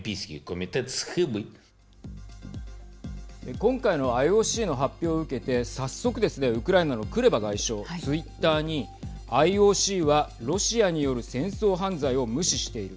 今回のＩＯＣの発表を受けて早速ですね、ウクライナのクレバ外相ツイッターにＩＯＣはロシアによる戦争犯罪を無視している。